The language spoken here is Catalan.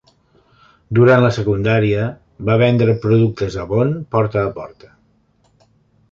Durant la secundària, va vendre productes Avon porta a porta.